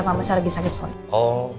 karena saya sedang sakit semua